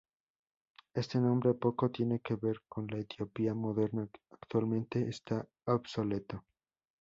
Este nombre poco tiene que ver con la Etiopía moderna y actualmente esta obsoleto.